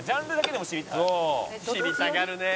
「知りたがるねえ」